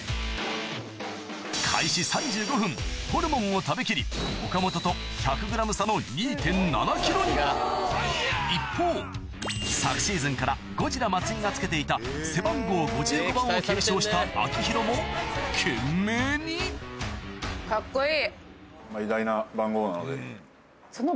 開始３５分ホルモンを食べきり岡本と１００ｇ差の２．７ｋｇに一方昨シーズンからゴジラ松井がつけていたした秋広も懸命にカッコいい。